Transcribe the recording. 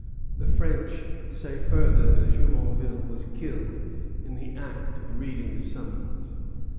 The French say further that Jumonville was killed in the act of reading the summons.